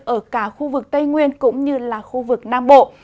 ở cả khu vực tây nguyên cũng như là khu vực nam bộ